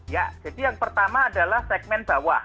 ya jadi yang pertama adalah segmen bawah